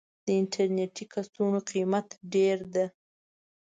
د انټرنيټي کڅوړو قيمت ډير ده.